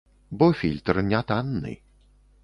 Бо фільтр не танны.